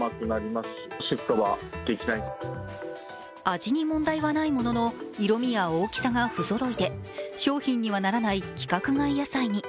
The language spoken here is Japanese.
味に問題はないものの色味や大きさが不ぞろいで商品にはならない規格外野菜に。